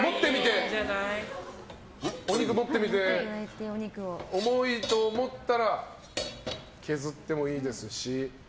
持ってみて重いと思ったら削ってもいいですし。